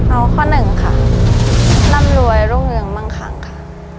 เอาข้อหนึ่งค่ะร่ำรวยรุ่งเรืองมั่งคังค่ะ